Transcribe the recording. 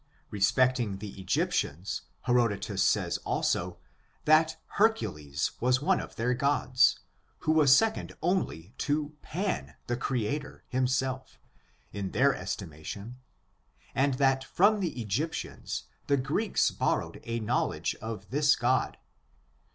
Respecting the Egyptians, • %^^^^N^M^l^h^ 68 ORIGIN, CHARACTER, AND Herodotus says, also, that Hercules was one of their '' I I I I ' gods, who was second only to Pan (the Creator) himself, in their estimation, and that from the Egyp tians the Greeks borrowed a knowledge of this god, p.